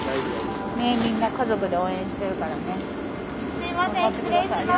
すいません失礼します。